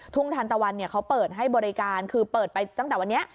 ทุ่งทานตะวันเขาเปิดให้บริการคือเปิดไปตั้งแต่วันนี้